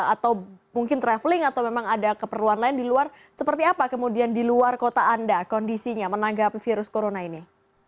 atau mungkin traveling atau memang ada keperluan lain di luar seperti apa kemudian di luar kota anda kondisinya menanggapi virus corona ini